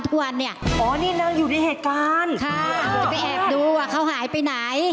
ถ้าจะไปแอบดูว่าเขาหายไปไหน